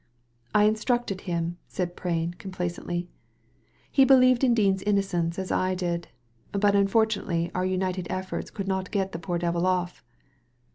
"I instructed him/' said Prain, complacently. "He believed in Dean's innocence as I did; but unfortunately our united efforts could not get the poor devil off."